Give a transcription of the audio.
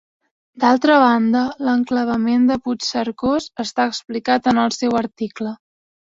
D'altra banda, l'enclavament de Puigcercós està explicat en el seu article.